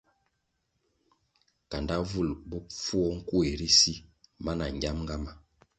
Kandá vul bopfuo nkuéh ri si mana ngiamga ma.